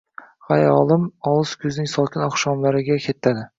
…Xayolim olis kuzning sokin oqshomlariga ketadi…